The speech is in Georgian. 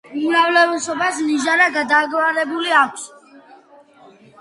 უმრავლესობას ნიჟარა გადაგვარებული აქვს.